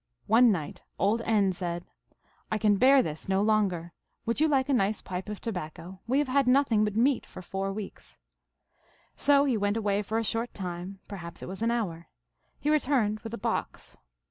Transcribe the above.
One night old N. said, I can bear this no longer. Would you like a nice pipe of tobacco ? We have had nothing but meat for four weeks. So he went away for a short time ; perhaps it was an hour. He returned with a box.